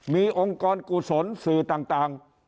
มีองค์กรกุศลสื่อต่าง